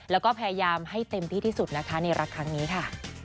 แล้วก็พยายามให้เต็มที่ที่สุดนะคะในรักครั้งนี้ค่ะ